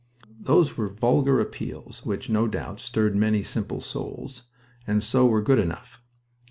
Those were vulgar appeals which, no doubt, stirred many simple souls, and so were good enough.